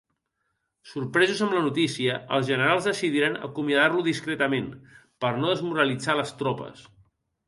Sorpresos amb la notícia, els generals decidiren acomiadar-lo discretament per no desmoralitzar les tropes.